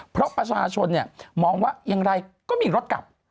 เพราะประชาชนเนี่ยมองว่าอย่างไรก็มีรถกลับ